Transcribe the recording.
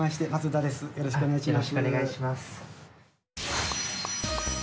よろしくお願いします。